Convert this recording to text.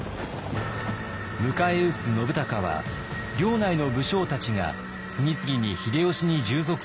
迎え撃つ信孝は領内の武将たちが次々に秀吉に従属するのを見て降伏。